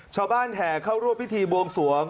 ชาวบ้านแถ่เข้าร่วมพิธีบวงสวง